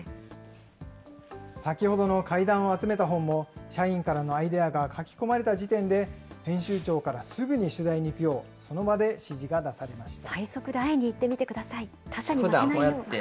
先ほどの怪談を集めた本も、社員からのアイデアが書き込まれた時点で、編集長からすぐに取材に行くよう、その場で指示が出されました。